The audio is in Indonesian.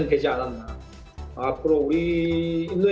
saya juga menarik dari thailand